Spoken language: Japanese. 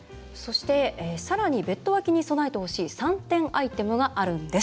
さらにベッド脇に備えてほしい３点アイテムがあるんです。